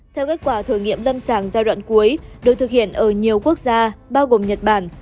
theo kết quả thử nghiệm lâm sàng giai đoạn cuối được thực hiện ở nhiều quốc gia bao gồm nhật bản